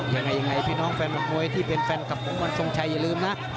ยังไงพี่น้องแฟนบรรคมวยที่เป็นแฟนกับผมวันทรงชัยอย่าลืมนะ